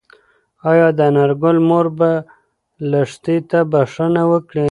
ايا د انارګل مور به لښتې ته بښنه وکړي؟